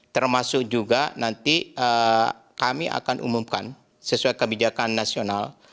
termasuk juga nanti kami akan umumkan sesuai kebijakan nasional